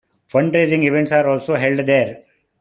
Fundraising events are also held there.